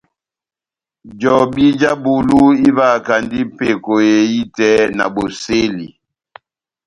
Jobi já bulu ivahakandi peko ehitɛ na bosɛli.